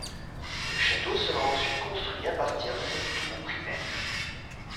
Le château sera ensuite construit à partir de cette tour primaire.